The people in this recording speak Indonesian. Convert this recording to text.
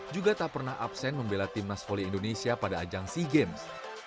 juga tak pernah absen membela timnas volley indonesia pada ajang sea games